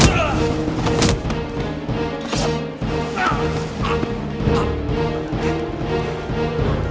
ye sadar markus